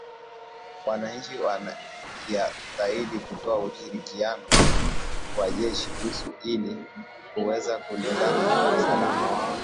Wananchi wajiatahidi kutoa ushirikiano kwa Jeshi Usu ili kuweza kulinda usalama wao